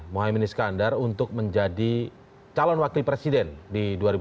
muhammad iskandar untuk menjadi calon wakil presiden di dua ribu sembilan belas